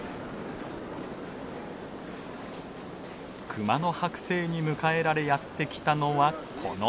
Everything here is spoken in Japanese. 熊の剥製に迎えられやって来たのはこの方。